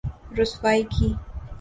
رسوائی کی‘‘۔